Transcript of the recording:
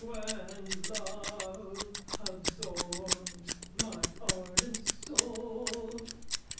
_ When love absorbs my ardent soul.